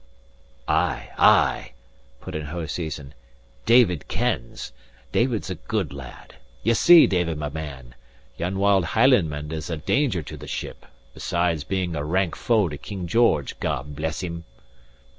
"Ay, ay," put in Hoseason. "David kens; David's a good lad. Ye see, David my man, yon wild Hielandman is a danger to the ship, besides being a rank foe to King George, God bless him!"